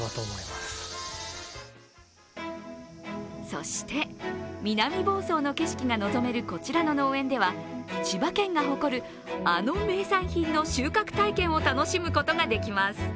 そして南房総の景色が望めるこちらの農園では千葉県が誇る、あの名産品の収穫体験を楽しむことができます。